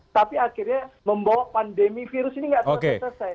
tapi akhirnya membawa pandemi virus ini nggak selesai selesai